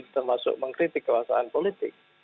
termasuk mengkritik kewasaan politik